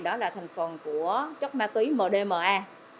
đó là thành phần của chất ma túy mdma